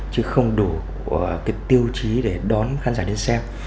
chứ không đủ tiêu chí để đón khán giả đến xem